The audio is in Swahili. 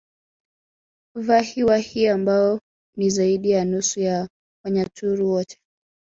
Vahi Wahi ambao ni zaidi ya nusu ya Wanyaturu wote